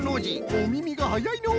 おみみがはやいのう！